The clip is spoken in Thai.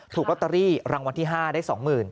ถูกลอตเตอรี่รางวัลที่๕ได้๒๐๐๐